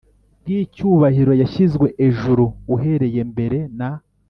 bw icyubahiro yashyizwe ejuru uhereye mbere na